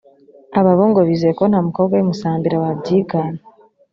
Aba bo ngo bizeye ko nta mukobwa w’i Musambira wabyigana